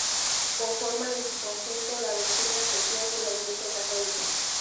Conforman en su conjunto la doctrina social de la Iglesia católica.